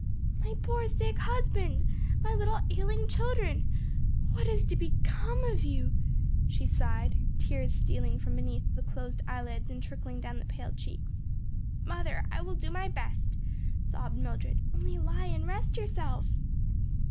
"My poor sick husband! my little ailing children! what is to become of you?" she sighed, tears stealing from beneath the closed eyelids and trickling down the pale cheeks. "Mother, I will do my best," sobbed Mildred; "only lie and rest yourself."